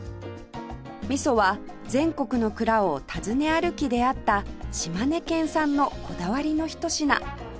みそは全国の蔵を訪ね歩き出会った島根県産のこだわりのひと品